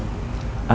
yang terlalu mahal